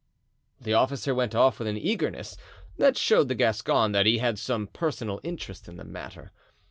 The officer went off with an eagerness that showed the Gascon that he had some personal interest in the matter.